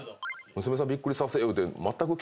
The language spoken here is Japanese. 娘さんびっくりさせよう言うて。